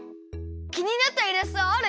きになったイラストある？